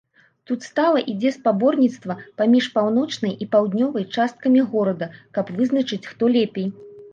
Тут стала ідзе спаборніцтва паміж паўночнай і паўднёвая часткамі горада, каб вызначыць, хто лепей.